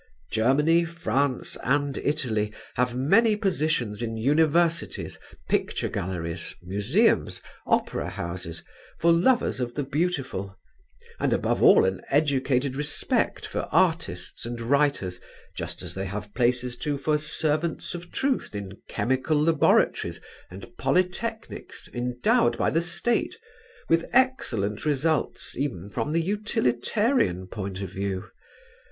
Germany, France, and Italy have many positions in universities, picture galleries, museums, opera houses for lovers of the beautiful, and above all an educated respect for artists and writers just as they have places too for servants of Truth in chemical laboratories and polytechnics endowed by the State with excellent results even from the utilitarian point of view.